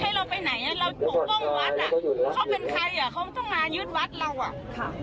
ให้เราไปไหนเราถูกก้มวัดเขาเป็นใครเขาต้องมายึดวัดเรา